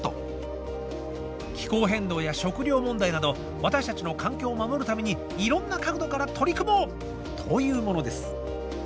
気候変動や食糧問題など私たちの環境を守るためにいろんな角度から取り組もうというものです。